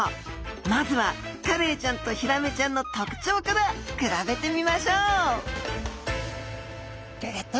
まずはカレイちゃんとヒラメちゃんの特徴から比べてみましょうギョギョッと！